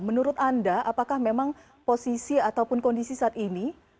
menurut anda apakah memang posisi ataupun kondisi saat ini